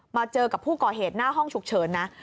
เจอกับผู้ก่อเหตุหน้าห้องฉุกเฉินนะ